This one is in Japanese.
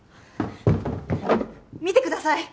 見てください！